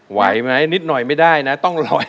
ไหวไหมนิดหน่อยไม่ได้นะต้องลอย